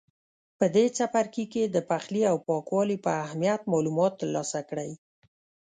په دې څپرکي کې د پخلي او پاکوالي په اهمیت معلومات ترلاسه کړئ.